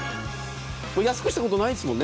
安くしたことないですもんね？